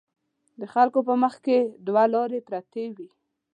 د خلکو په مخکې دوه لارې پرتې وي.